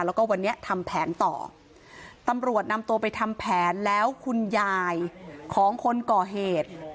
แล้วก็วันนี้ทำแผนต่อตำรวจนำตัวไปทำแผนแล้วคุณยายของคนก่อเหตุ